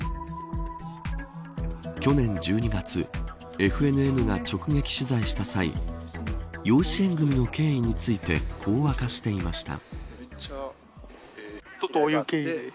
去年１２月ＦＮＮが直撃取材した際養子縁組の経緯についてこう明かしていました。